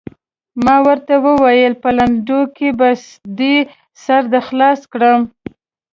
ما ورته وویل: په لنډو کې به دې سر در خلاص کړم.